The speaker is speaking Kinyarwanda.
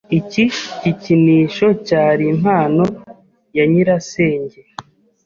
Iki gikinisho cyari impano ya nyirasenge.